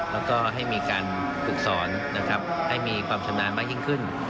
แล้วก็ให้มีการฝึกสอนนะครับให้มีความชำนาญมากยิ่งขึ้น